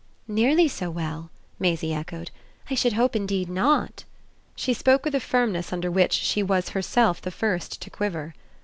"'Nearly so well!'" Maisie echoed. "I should hope indeed not." She spoke with a firmness under which she was herself the first to quiver.